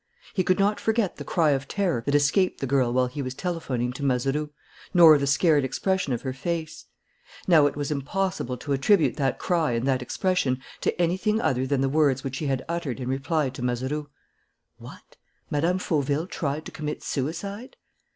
He could not forget the cry of terror that escaped the girl while he was telephoning to Mazeroux, nor the scared expression of her face. Now it was impossible to attribute that cry and that expression to anything other than the words which he had uttered in reply to Mazeroux: "What! Mme. Fauville tried to commit suicide!"